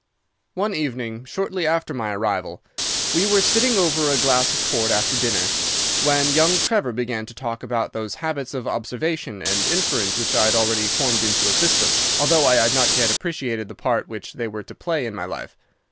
"One evening, shortly after my arrival, we were sitting over a glass of port after dinner, when young Trevor began to talk about those habits of observation and inference which I had already formed into a system, although I had not yet appreciated the part which they were to play in my life.